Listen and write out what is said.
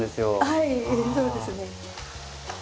はいそうですね。